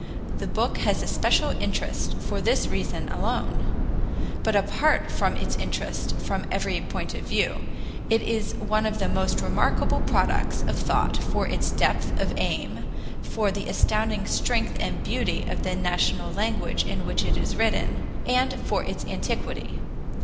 The book has a special interest for this reason alone. But apart from its interest from every point of view, it is one of the most remarkable products of thought for its depth of aim, for the astounding strength and beauty of the national language in which it is written, and for its antiquity.